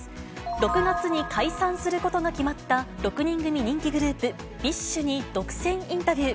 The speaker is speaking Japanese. ６月に解散することが決まった６人組人気グループ、ＢｉＳＨに独占インタビュー。